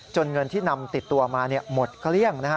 เงินที่นำติดตัวมาหมดเกลี้ยงนะฮะ